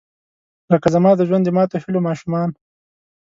لکه زما د ژوند، د ماتوهیلو ماشومان